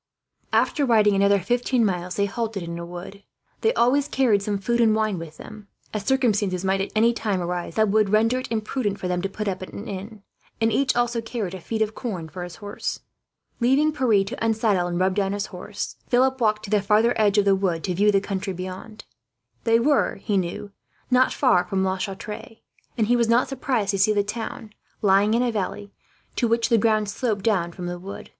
After riding another fifteen miles, they halted in a wood. They always carried some food and wine with them, as circumstances might at any time arise that would render it imprudent for them to put up at an inn; and each also carried a feed of corn for his horse. Leaving Pierre to unsaddle and rub down his horse, Philip walked to the farther edge of the wood, to view the country beyond. They were, he knew, not far from La Chatre; and he was not surprised to see the town, lying in a valley, to which the ground sloped down from the wood.